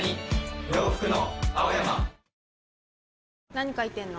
何書いてんの？